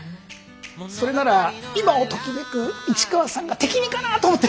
それなら今をときめく市川さんが適任かなと思って。